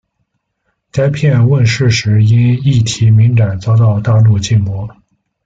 该片问世时因议题敏感遭到大陆禁播。